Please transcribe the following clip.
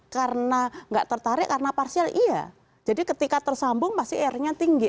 karena tidak tertarik karena parsial iya jadi ketika tersambung pasti irr nya tinggi